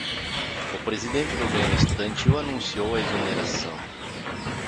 o presidente do grêmio estudantil anunciou a exoneração